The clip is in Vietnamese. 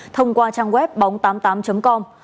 thông qua trang web bóng tám mươi tám com